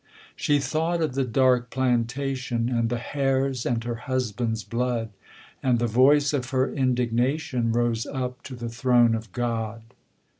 She thought of the dark plantation, And the hares, and her husband's blood, And the voice of her indignation Rose up to the throne of God.